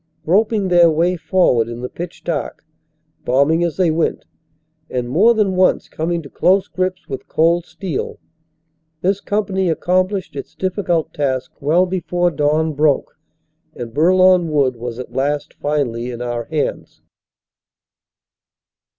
Groping their way for ward in the pitch dark, bombing as they went, and more than once coming to close grips with cold steel, this company accom plished its difficult task well before dawn broke, and Bourlon Wood was at last finally in our hands.